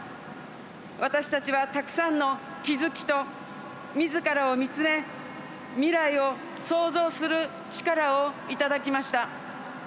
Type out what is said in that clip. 私たちは、たくさんの気付きとみずからを見つめ未来を創造する力をいただきました。